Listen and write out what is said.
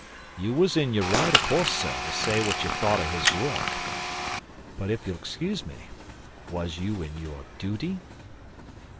You was in your right, o' course, sir, to say what you thought o' his work; but if you'll excuse me, was you in your duty?